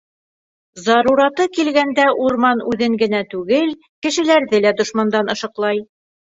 Зарураты килгәндә урман үҙен генә түгел, кешеләрҙе лә дошмандан ышыҡлай.